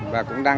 và cũng đang